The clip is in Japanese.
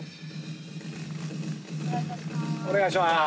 お願いいたします。